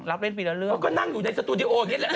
เราเปลี่ยนเรื่องกับแม่เล่นเยอะไปได้เหนื่อย